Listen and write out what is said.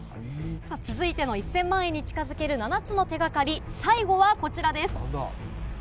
さあ、続いての１０００万円に近づける７つの手がかり、最後はこちらです。